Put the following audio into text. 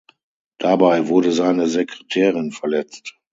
Dabei wurde seine Sekretärin verletzt.